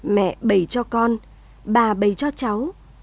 mẹ bày cho con bà bày cho cháu